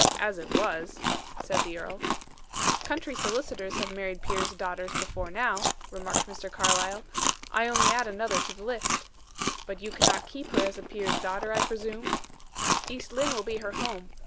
"As it was," said the earl. "Country solicitors have married peers' daughters before now," remarked Mr. Carlyle. "I only add another to the list." "But you cannot keep her as a peer's daughter, I presume?" "East Lynne will be her home.